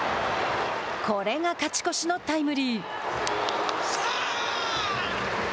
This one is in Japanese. これが勝ち越しのタイムリー。